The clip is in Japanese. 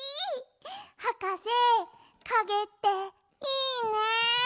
はかせかげっていいね！